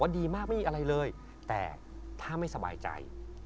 ดีมากไม่มีอะไรเลยแต่ถ้าไม่สบายใจ